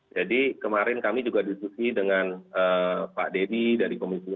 jadi kemarin kami juga diskusi dengan pak dedy dari komisi empat